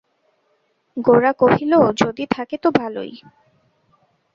গোরা কহিল, যদি থাকে তো ভালোই।